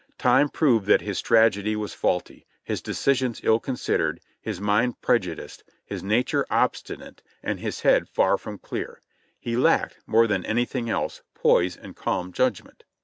Time proved that his strategy was faulty, his decisions ill considered, his mind prejudiced, his nature obstinate, and his head far from clear — he lacked, more than anything else, poise and calm judgment.